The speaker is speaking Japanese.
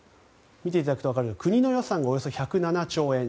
見ていただくと分かるように国の予算がおよそ１０７兆円